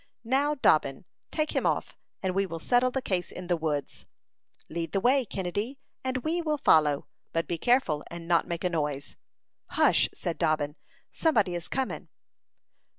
"Now, Dobbin, take him off, and we will settle the case in the woods." "Lead the way, Kennedy, and we will follow; but be careful and not make a noise." "Hush!" said Dobbin; "somebody is coming."